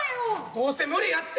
どうせ無理やって。